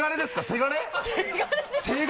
せがれ